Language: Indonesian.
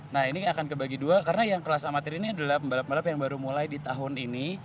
nah ini akan kebagi dua karena yang kelas amatir ini adalah pembalap pembalap yang baru mulai di tahun ini